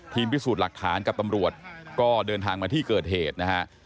พิสูจน์หลักฐานกับตำรวจก็เดินทางมาที่เกิดเหตุนะฮะ